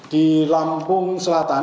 di lampung selatan